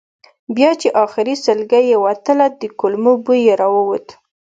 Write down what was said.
بیا چې آخري سلګۍ یې وتله د کولمو بوی یې راووت.